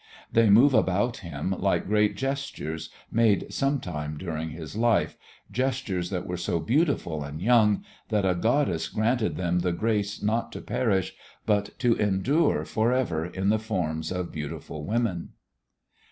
They move about him like great gestures made some time during his life, gestures that were so beautiful and young that a goddess granted them the grace not to perish but to endure for ever in the forms of beautiful women.